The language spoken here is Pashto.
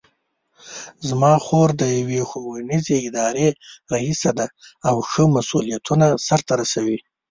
زما خور د یوې ښوونیزې ادارې ریسه ده او ښه مسؤلیتونه سرته رسوي